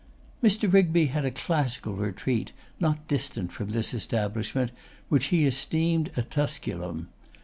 Mr. Rigby had a classical retreat, not distant from this establishment, which he esteemed a Tusculum.